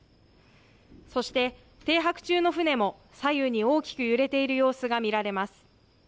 そして停泊中の船も左右に大きく揺れている様子が見られます。